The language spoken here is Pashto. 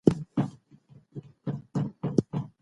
بزګر په پټي کې غنم کري.